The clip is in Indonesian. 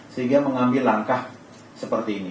sehingga mengambil langkah seperti ini